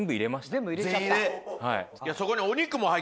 そこに。